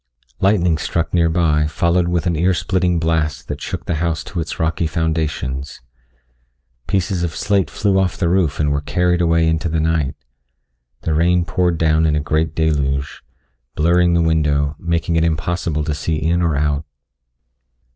Lightning struck near by followed with an ear splitting blast that shook the house to its rocky foundations. Pieces of slate flew off the roof and were carried away into the night. The rain poured down in a great deluge, blurring the window, making it impossible to see in or out.